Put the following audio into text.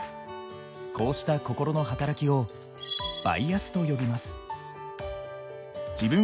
こうした心の働きをバイアスと呼びます。